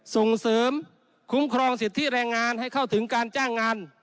ส่งเสริมคุ้มครองสิทธิแรงงานให้เข้าถึงการจ้างงาน